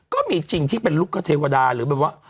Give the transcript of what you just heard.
ก็มีจริงที่เป็นลูกคเทวดาหรือแบบว่า